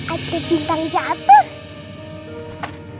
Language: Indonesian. oh ada bintang jatuh